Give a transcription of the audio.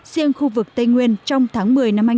riêng khu vực tây nguyên trong tháng một mươi